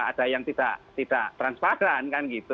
ada yang tidak transparan